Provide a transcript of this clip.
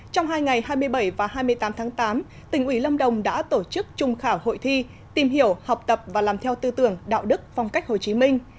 trong hai ngày hai mươi bảy và hai mươi tám tháng tám tỉnh ủy lâm đồng đã tổ chức trung khảo hội thi tìm hiểu học tập và làm theo tư tưởng đạo đức phong cách hồ chí minh